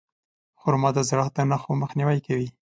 خرما د زړښت د نښو مخنیوی کوي.